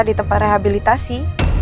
di tempat rehabilitasi